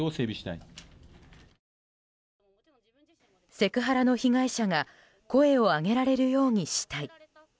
セクハラの被害者が声を上げられるようにしたい。